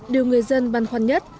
điều người dân băn khoăn nhất